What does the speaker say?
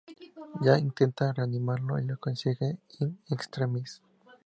Jack intenta reanimarlo y lo consigue in extremis.